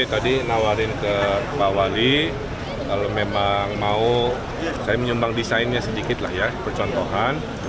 tadi nawarin ke pak wali kalau memang mau saya menyumbang desainnya sedikit lah ya percontohan